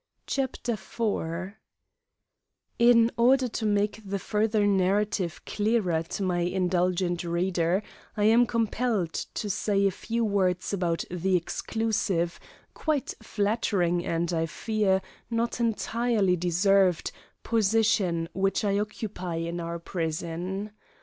CHAPTER IV In order to make the further narrative clearer to my indulgent reader, I am compelled to say a few words about the exclusive, quite flattering, and, I fear, not entirely deserved, position which I occupy in our prison.